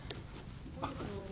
あっ。